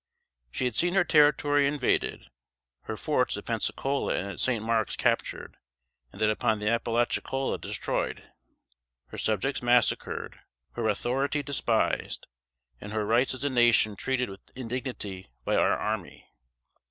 She had seen her territory invaded; her forts at Pensacola and at St. Marks captured, and that upon the Appalachicola destroyed; her subjects massacred; her authority despised, and her rights as a nation treated with indignity by our army.